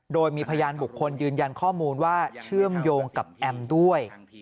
โดยมีพยานบุคคลยืนยันข้อมูลว่าเชื่อมโยงกับแอมด้วย